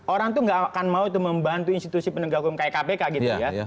orang tuh gak akan mau membantu institusi penegak hukum kayak kpk gitu ya